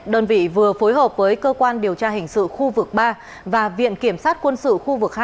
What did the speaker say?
đơn vị vừa phối hợp với cơ quan điều tra hình sự khu vực ba và viện kiểm sát quân sự khu vực hai